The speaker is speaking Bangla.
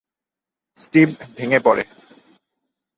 স্টিভ ভেঙে পড়ে।